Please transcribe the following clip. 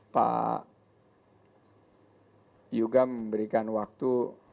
pak yuga memberikan waktu